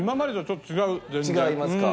違いますか。